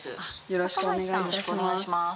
よろしくお願いします。